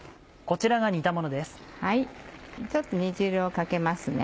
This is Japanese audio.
ちょっと煮汁をかけますね。